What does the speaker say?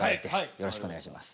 よろしくお願いします。